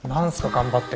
「頑張って！」